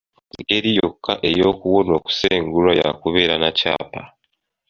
Engeri yokka ey'okuwona okusengulwa ya kubeera na kyapa.